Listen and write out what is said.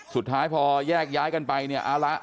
สุดท้ายพอแยกย้ายกันไปเอ๊ะละ